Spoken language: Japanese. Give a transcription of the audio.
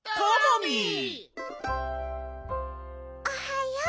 ミおはよう！